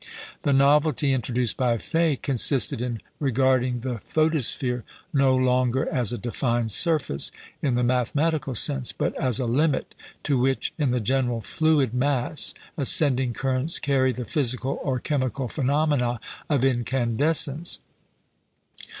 The novelty introduced by Faye consisted in regarding the photosphere no longer "as a defined surface, in the mathematical sense, but as a limit to which, in the general fluid mass, ascending currents carry the physical or chemical phenomena of incandescence."